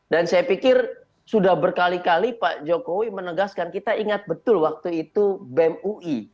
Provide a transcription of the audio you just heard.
dan saya pikir sudah berkali kali pak jokowi menegaskan kita ingat betul waktu itu bem ui